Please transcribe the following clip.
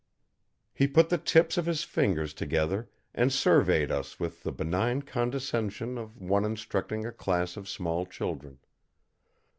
He put the tips of his fingers together and surveyed us with the benign condescension of one instructing a class of small children.